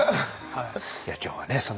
いや今日はね